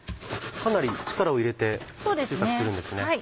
かなり力を入れて小さくするんですね。